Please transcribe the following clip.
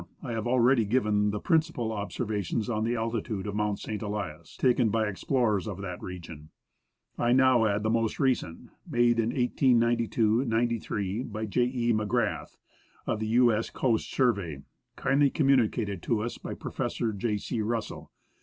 I have already given the principal observations on the altitude of Mount St. Elias, taken by explorers of that region. I now add the most recent, made in 1892 93, by J. E. MacGrath, of the "U.S. Coast Survey," kindly communi cated to us by Prof. J. C. Russell.